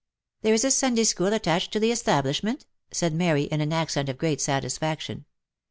" There is a Sunday school attached to the establishment?" said Mary in an accent of great satisfaction.